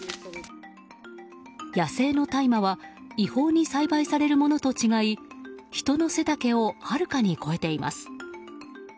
野生の大麻は違法に栽培されるものと違い人の背丈をはるかに超えています。